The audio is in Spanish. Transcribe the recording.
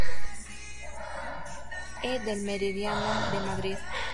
E. del meridiano de Madrid.